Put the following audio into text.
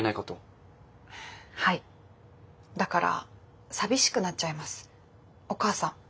はいだから寂しくなっちゃいますお母さん。